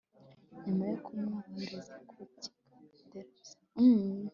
nyuma yo kumwohereza ku kigo nderabuzima